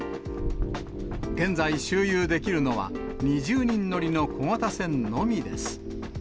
現在、周遊できるのは２０人乗りの小型船のみです。